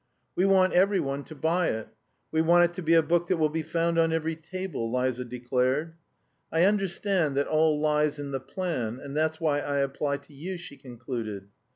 "We want every one to buy it, we want it to be a book that will be found on every table," Liza declared. "I understand that all lies in the plan, and that's why I apply to you," she concluded.